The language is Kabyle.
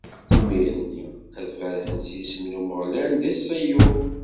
Imir-nni, ad berrḥen s yisem n Umeɣlal, di Ṣiyun.